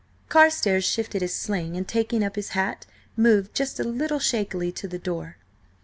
Carstares shifted his sling, and taking up his hat, moved just a little shakily to the door.